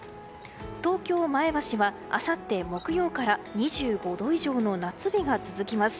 東京、前橋はあさって木曜から２５度以上の夏日が続きます。